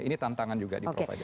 ini tantangan juga di providen